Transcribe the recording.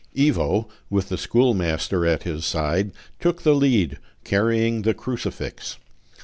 Ivo, with the schoolmaster at his side, took the lead, carrying the crucifix.